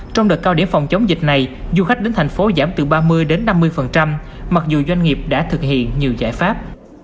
trong đợt cao điểm phòng chống dịch này du khách đến thành phố giảm từ ba mươi đến năm mươi mặc dù doanh nghiệp đã thực hiện nhiều giải pháp